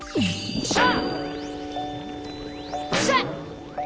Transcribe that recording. よっしゃ！